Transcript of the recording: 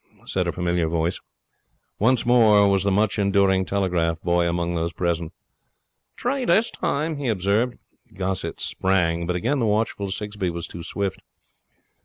said a familiar voice. Once more was the much enduring telegraph boy among those present. 'T'ree dis time!' he observed. Gossett sprang, but again the watchful Sigsbee was too swift.